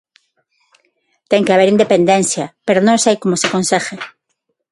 Ten que haber independencia, pero non sei como se consegue.